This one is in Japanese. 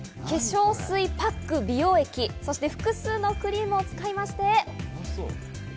化粧水、パック、美容液、そして複数のクリームを使いまして。